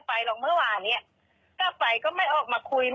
เพื่อนกันนะเห็นไหม